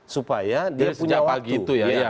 supaya dia punya waktu